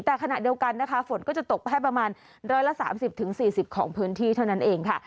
แต่ขณะเดียวกันนะคะฝนก็จะตกแค่ประมาณ๑๓๐๔๐ของพื้นที่เท่านั้นเองค่ะ